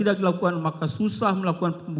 kita harus membuatnya